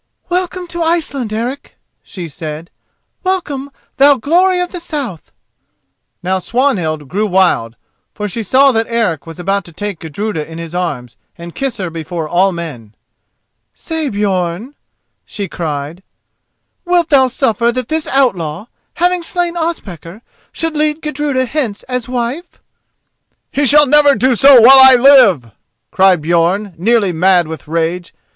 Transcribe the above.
"Welcome to Iceland, Eric!" she said. "Welcome, thou glory of the south!" Now Swanhild grew wild, for she saw that Eric was about to take Gudruda in his arms and kiss her before all men. "Say, Björn," she cried; "wilt thou suffer that this outlaw, having slain Ospakar, should lead Gudruda hence as wife?" "He shall never do so while I live," cried Björn, nearly mad with rage.